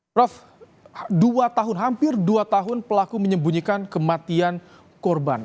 prof dua tahun hampir dua tahun pelaku menyembunyikan kematian korban